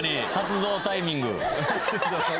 発動タイミング。